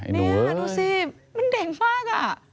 นี่ดูสิมันเด็กมากอะ